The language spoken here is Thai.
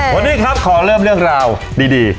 วันนี้ครับขอเริ่มเรื่องราวดี